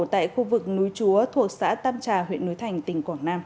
tại khu vực núi chúa thuộc xã tam trà huyện núi thành tỉnh quảng nam